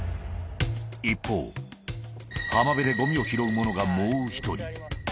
一方、浜辺でごみを拾う者がもう一人。